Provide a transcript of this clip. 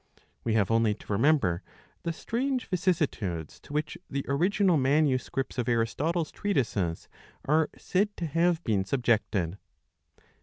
We have only to remember the strange vicissitudes to which the original manuscripts of Aristotle's treatises are said to have been sub jected.